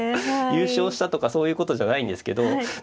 優勝したとかそういうことじゃないんですけど。